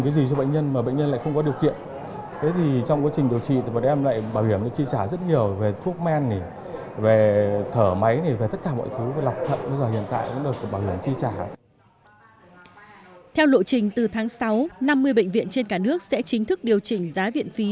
theo lộ trình từ tháng sáu năm mươi bệnh viện trên cả nước sẽ chính thức điều chỉnh giá viện phí